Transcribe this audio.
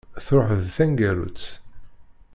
Truḥ d taneggarut.